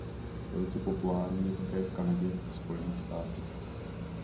Velice populární je také v Kanadě a Spojených státech.